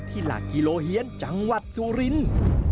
หลักกิโลเฮียนจังหวัดสุรินทร์